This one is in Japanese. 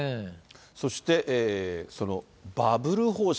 そして、そのバブル方式。